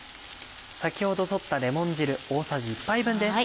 先ほど取ったレモン汁大さじ１杯分です。